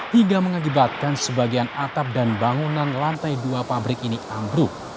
hingga mengakibatkan sebagian atap dan bangunan lantai dua pabrik ini ambruk